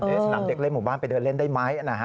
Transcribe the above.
สนามเด็กเล่นหมู่บ้านไปเดินเล่นได้ไหม